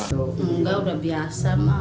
enggak udah biasa mak